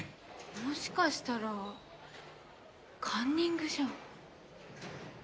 もしかしたらカンニングじゃ？